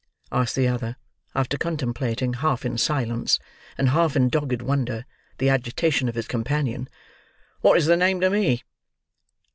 asked the other, after contemplating, half in silence, and half in dogged wonder, the agitation of his companion. "What is the name to me?"